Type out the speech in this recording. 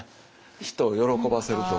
人を喜ばせるとか。